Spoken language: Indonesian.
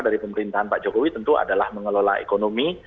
dari pemerintahan pak jokowi tentu adalah mengelola ekonomi